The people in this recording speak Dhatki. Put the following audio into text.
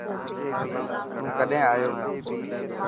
تون ڪڏهن آيو هي.